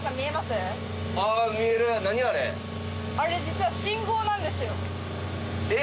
あれ実は信号なんですよ。